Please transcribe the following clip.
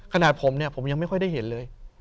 ขนาดผมเนี่ยผมยังไม่ค่อยได้เห็นเลย